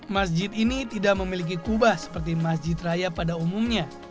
masjid ini tidak memiliki kubah seperti masjid raya pada umumnya